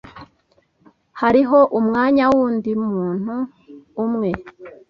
Hariho umwanya wundi muntu umwe?